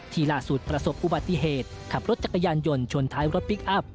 ล่าสุดประสบอุบัติเหตุขับรถจักรยานยนต์ชนท้ายรถพลิกอัพ